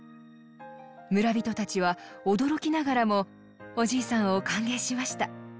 村人たちは驚きながらもおじいさんを歓迎しました。